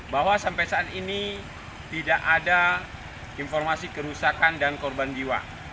bahwa sampai saat ini tidak ada informasi kerusakan dan korban jiwa